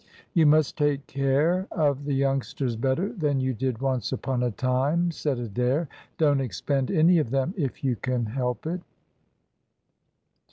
"You must take care of the youngsters better than you did once upon a time," said Adair. "Don't expend any of them if you can help it."